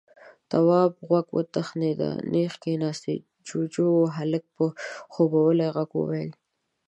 د تواب غوږ وتخنېد، نېغ کېناست. جُوجُو و. هلک په خوبولي غږ وويل: